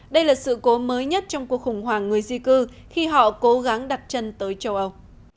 đây là sự cố mới nhất trong cuộc khủng hoảng người di cư khi họ cố gắng đặt chân tới châu âu